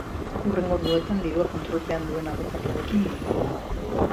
Hurrengo orduetan dirua kontrolpean duen abokatuarekin bilduko da.